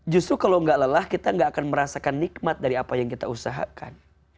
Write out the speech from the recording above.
justru kalau nggak lelah kita gak akan merasakan nikmat dari apa yang kita usahakan